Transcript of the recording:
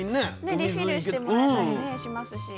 リフィルしてもらえたりしますし。